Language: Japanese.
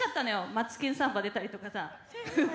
「マツケンサンバ」出たりとかね。